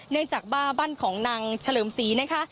เนื่องจากว่าบ้านของนางเฉลิมศรีนะคะ